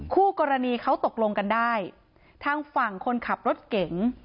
คู่กรณีเขาตกลงกันได้ทางฝั่งคนขับรถเก๋ง